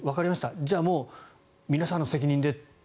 じゃあ皆さんの責任で。